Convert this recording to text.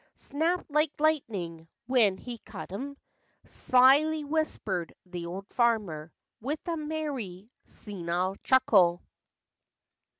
"Snapped like lightnin' when he cut 'em," Slyly whispered the old farmer, With a merry, senile chuckle.